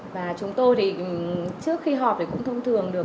và chúng tôi thì trước khi họp thì cũng thông thường được